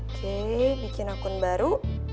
oke bikin akun baru